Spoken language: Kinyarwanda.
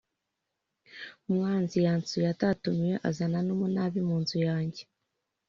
umwanzi yansuye atatumiwe azana umunabi mu nzu iwanjye